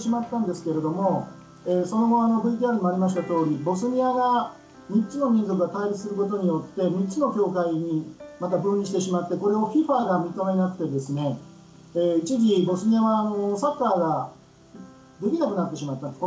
ＶＴＲにもありましたとおりボスニアは３つの民族が対立することによって３つの協会にまた分離してしまってこれをＦＩＦＡが認めなくて一時ボスニアはサッカーができなくなってしまった。